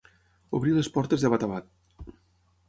Obrir les portes de bat a bat.